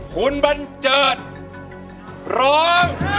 คุณบันเจิดร้อง